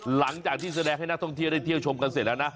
หลังจากที่แสดงให้นักท่องเที่ยวได้เที่ยวชมกันเสร็จแล้วนะ